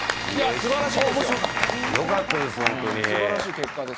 素晴らしい結果ですよ。